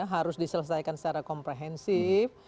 harus diselesaikan secara komprehensif